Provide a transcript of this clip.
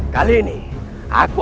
jauh j avenus